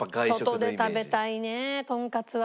外で食べたいねとんかつは。